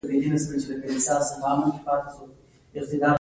هغه پوه شو چې هيلې په سرو زرو بدلېدلای شي.